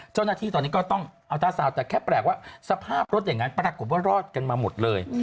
เจ้าหน้าที่ตอนนี้ก็ต้องเอาตาสาวแต่แค่แปลกว่าสภาพรถอย่างนั้นปรากฏว่ารอดกันมาหมดเลย